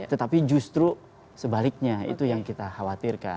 tetapi justru sebaliknya itu yang kita khawatirkan